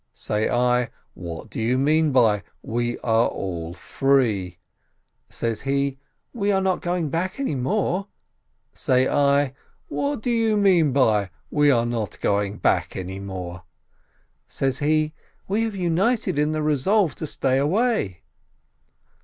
Say I, "What do you mean by 'we are all free' ?" Says he, "We are not going back any more." Say I, "What do you mean by 'we are not going back' ?" Says he, "We have united in the resolve to stay away."